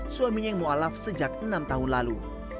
suaminya yang mu'alaf sejak enam tahun lalu